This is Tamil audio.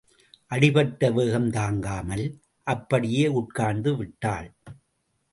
அடிப்பட்ட வேகம் தாங்காமல், அப்படியே உட்கார்ந்துவிட்டாள்.